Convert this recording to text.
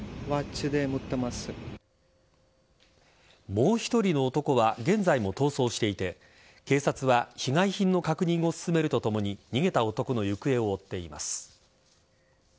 もう１人の男は現在も逃走していて警察は被害品の確認を進めるとともに逃げた男の行方を追っています。